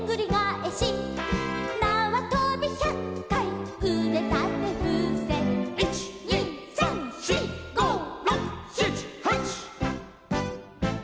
「なわとびひゃっかいうでたてふせ」「１２３４５６７８」